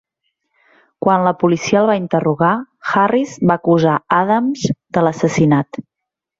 Quan la policia el va interrogar, Harris va acusar Adams de l'assassinat.